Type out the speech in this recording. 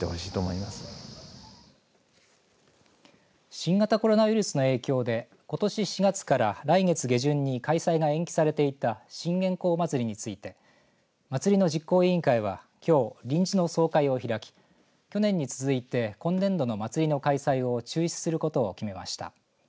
新型コロナウイルスの影響でことし４月から来月下旬に開催が延期されていた信玄公祭りについて祭りの実行委員会は、きょう臨時の総会を開き去年に続いて今年度の祭りの開催を中止することを決めました。